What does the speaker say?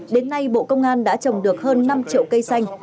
đến nay bộ công an đã trồng được hơn năm triệu cây xanh